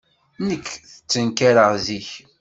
Nekk ttenkareɣ zik.